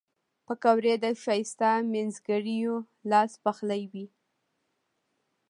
پکورې د ښایسته مینځګړیو لاس پخلي وي